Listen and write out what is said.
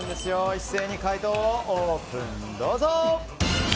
一斉に解答をオープン、どうぞ！